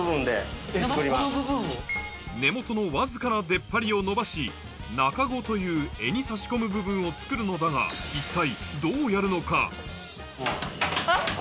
根元のわずかな出っ張りをのばし中子という柄に差し込む部分を作るのだが一体お！